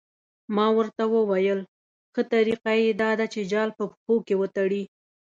ما ورته وویل ښه طریقه یې دا ده چې جال په پښو کې وتړي.